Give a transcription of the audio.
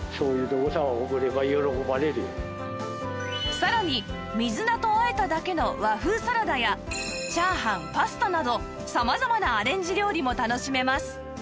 さらに水菜と和えただけの和風サラダやチャーハンパスタなど様々なアレンジ料理も楽しめます